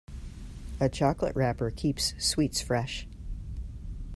A chocolate wrapper keeps sweets fresh.